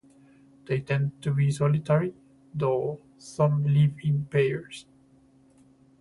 They tend to be solitary, though some live in pairs.